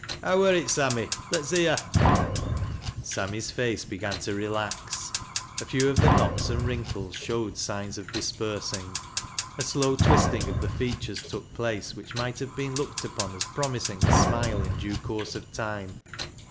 "How wur it, Sammy? Let's hcvvr." Sammy's face began to relax. A few of the knots and wrinkles showed signs of dispersing. A slow twisting of the features took place, which might have been looked upon as promising a smile in due course of time.